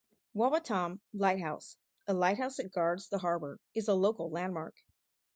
Wawatam Lighthouse, a lighthouse that guards the harbor, is a local landmark.